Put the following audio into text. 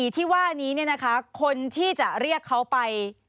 ที่ว่านี้คนที่จะเรียกเขาไป